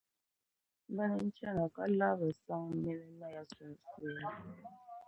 Bani chani ka labri Saŋ mini Naya sunsuuni.